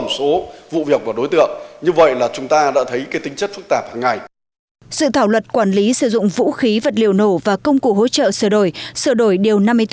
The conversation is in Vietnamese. dự thảo luật quản lý sử dụng vũ khí vật liệu nổ và công cụ hỗ trợ sửa đổi sửa đổi điều năm mươi bốn